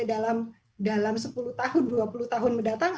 dalam sepuluh tahun dua puluh tahun mendatang